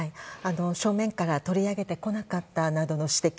正面から取り上げてこなかったなどの指摘